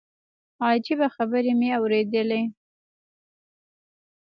عجيبه خبرې مې اورېدلې.